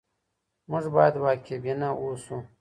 موږ بايد واقعبينه اوسو.